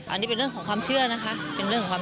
อันนี้เป็นเรื่องของความเชื่อนะคะ